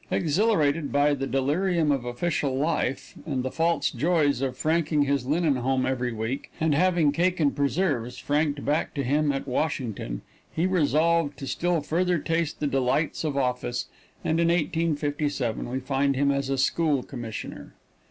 Exhilarated by the delirium of official life, and the false joys of franking his linen home every week, and having cake and preserves franked back to him at Washington, he resolved to still further taste the delights of office, and in 1857 we find him as a school commissioner.